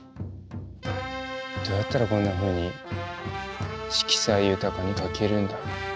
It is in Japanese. どうやったらこんなふうに色彩豊かに描けるんだろう。